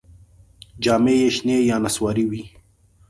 جامې یې شنې یا نسواري وې.